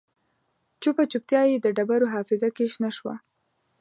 چوپه چوپتیا یې د ډبرو حافظو کې شنه شوه